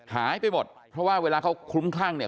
หายไปหมดเพราะว่าเวลาเขาคลุ้มคลั่งเนี่ย